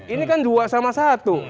ini kan dua sama satu